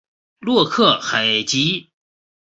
洛克海吉。